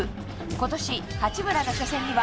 今年、八村の初戦には